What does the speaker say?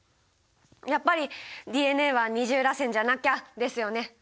やっぱりＤＮＡは二重らせんじゃなきゃですよね。